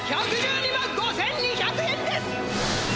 １１２万５，２００円です！」。